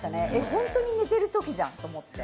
本当に寝てるときじゃんと思って。